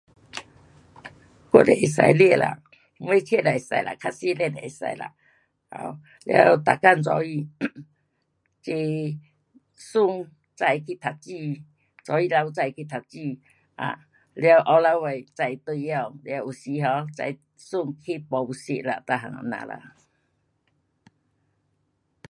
我得去驾车啦。什车都会驾啦。较小辆都会驾啦，了每天早起，顾孙载去读书，早起头载去读书，啊，了下午尾载回家。了有时 um 载孙去补习咯每样这样啦。